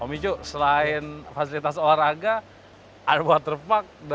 om icuk selain fasilitas olahraga ada waterpark